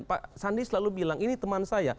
pak sandi selalu bilang ini teman saya